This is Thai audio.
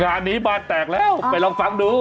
งานนี้บ้านแตกแล้วไปลองฟังดู